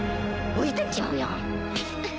置いてっちまうよ。